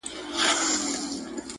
لکه عصري تعلیم چې ستاسې